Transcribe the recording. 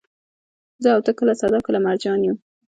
زه او ته، کله صدف، کله مرجان يو